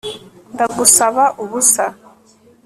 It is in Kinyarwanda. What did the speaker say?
Ndagusaba ubusa